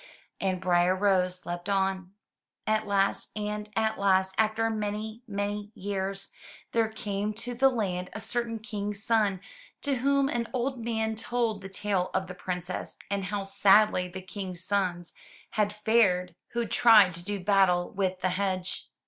And Briar rose slept on. At last and at last, after many, many years, there came to the land a certain King's son to whom an old man told the tale of the Princess and how sadly the King's sons had fared who 29 MY BOOK HOUSE tried to do battle with the hedge.